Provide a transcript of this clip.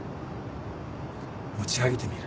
持ち上げてみる。